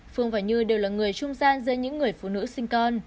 phương và như đều là người trung gian giữa những người phụ nữ sinh con